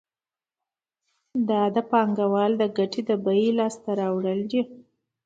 دا د پانګوال د ګټې د بیې لاس ته راوړل دي